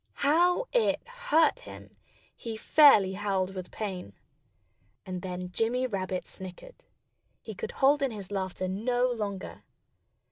How it hurt him! He fairly howled with pain. And then Jimmy Rabbit snickered. He could hold in his laughter no longer.